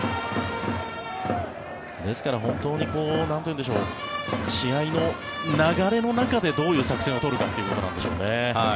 ですから本当になんというんでしょう試合の流れの中でどういう作戦を取るかということでしょうね。